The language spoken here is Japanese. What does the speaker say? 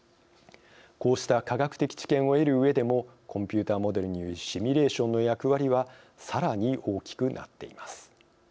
こうした科学的知見を得るうえでもコンピューターモデルによるシミュレーションの役割はさらに大きくなっています。